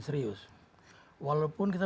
serius walaupun kita